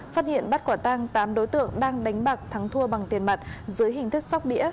phát hiện bắt quả tang tám đối tượng đang đánh bạc thắng thua bằng tiền mặt dưới hình thức sóc đĩa